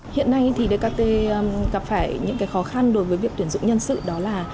hiện nay thì dkt gặp phải những khó khăn đối với việc tuyển dụng nhân sự đó là